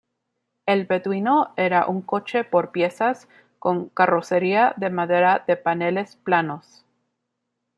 El "Beduino" era un coche por piezas con carrocería de madera de paneles planos.